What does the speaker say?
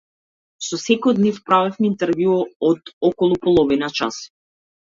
Со секој од нив правевме интервју од околу половина час.